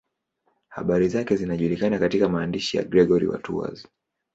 Habari zake zinajulikana katika maandishi ya Gregori wa Tours.